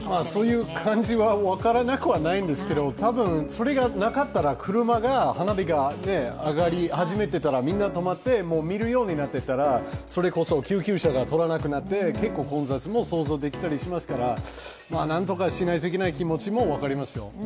そういう感じは分からなくないんですが、それがなかったら車が、花火が上がり始めたら、みんな止まって見るようになったらそれこそ救急車が通れなくなって混雑も想像できたりしますから、なんとかしないといけない気持ちも分かりますよ。